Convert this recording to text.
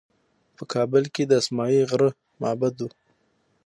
په کابل کې د اسمايي غره معبد و